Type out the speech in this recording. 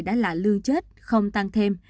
đã là lương chết không tăng thêm